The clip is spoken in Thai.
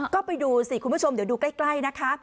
ก็ไปดูสิคุณผู้ชมเดี๋ยวดูใกล้นะคะ